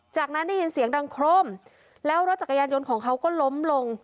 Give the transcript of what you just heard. จากนั้นได้ยินเสียงดังโครมแล้วรถจักรยานยนต์ของเขาก็ล้มลง